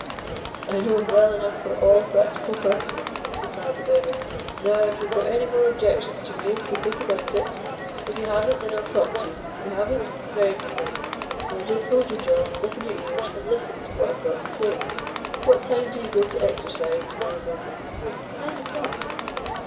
"I know him well enough for all practical purposes," replied the beggar. "Now, if you've got any more objections to raise, be quick about it. If you haven't, then I'll talk to you. You haven't? Very good then. Now, just hold your jaw, open your ears, and listen to what I've got to say. What time do you go to exercise to morrow morning?" "Nine o'clock."